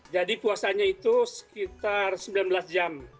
jadi puasanya itu sekitar sembilan belas jam